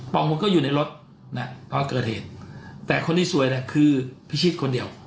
ปลอมคนก็อยู่ในรถนะเพราะว่าเกิดเหตุแต่คนที่สวยนะคือพี่ชิดคนเดียว